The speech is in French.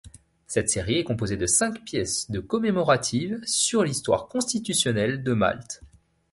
Cette série est composée de cinq pièces de commémoratives sur l'histoire constitutionnelle de Malte.